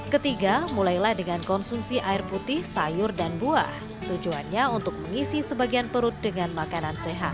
ketiga mulailah dengan konsumsi air putih sayur dan buah tujuannya untuk mengisi sebagian perut dengan makanan sehat